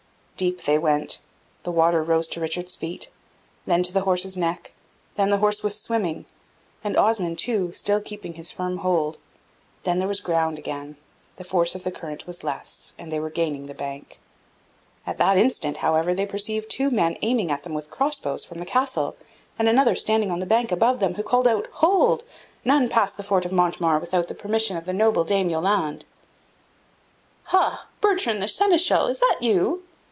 Deep they went; the water rose to Richard's feet, then to the horse's neck; then the horse was swimming, and Osmond too, still keeping his firm hold; then there was ground again, the force of the current was less, and they were gaining the bank. At that instant, however, they perceived two men aiming at them with cross bows from the castle, and another standing on the bank above them, who called out, "Hold! None pass the ford of Montemar without permission of the noble Dame Yolande." "Ha! Bertrand, the Seneschal, is that you?"